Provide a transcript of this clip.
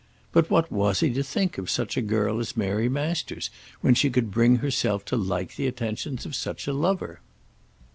But what was he to think of such a girl as Mary Masters when she could bring herself to like the attentions of such a lover?